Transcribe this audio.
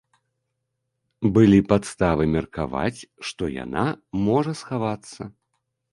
Былі падставы меркаваць, што яна можа схавацца.